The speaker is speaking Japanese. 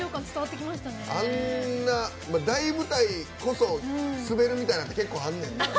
あんな大舞台こそ滑るみたいなんって結構あんねん。